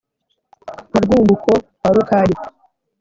wa rwunguko rwa rukage